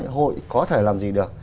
hội có thể làm gì được